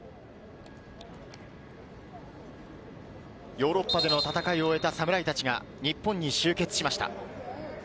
ヨーロッパでの戦い終えた侍たちが日本に集結しました。